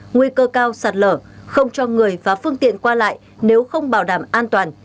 nguy cơ cao sạt lở không cho người và phương tiện qua lại nếu không bảo đảm an toàn